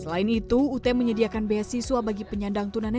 selain itu ut menyediakan beasiswa bagi penyandang tunan netra